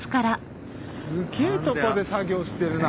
すげえとこで作業してるな。